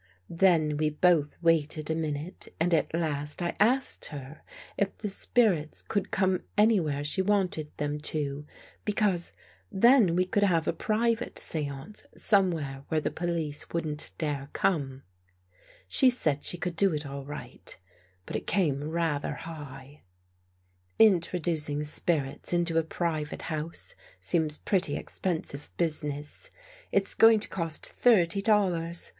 " Then we both waited a minute and at last I asked her if the spirits would come anywhere she wanted them too, because then we could have a pri vate seance somewhere where the police wouldn't dare come. She said she could do it all right, but it came rather high. no FIGHTING THE DEVIL WITH FIRE " Introducing spirits into a private house seems pretty expensive business. It's going to cost thirty dollars.